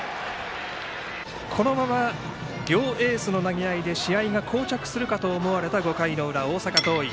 このまま、両エースの投げ合いで試合がこう着するかと思われた５回の裏、大阪桐蔭。